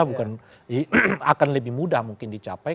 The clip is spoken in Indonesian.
bukan akan lebih mudah mungkin dicapai